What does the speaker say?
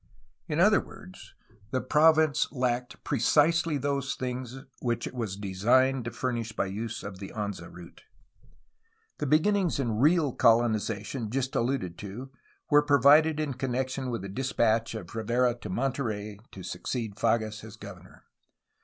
In other words, the province lacked precisely those things which it was designed to furnish by use of the Anza route. The beginnings in real colonization just alluded to were provided in connection with the despatch of Rivera to Monterey to succeed Fages as governor.